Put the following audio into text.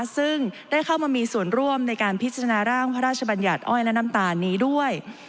ซึ่งได้เข้ามามีส่วนร่วมในการพิจารณาร่างพระราชบัญญัติอ้อยและน้ำตาลนี้ด้วย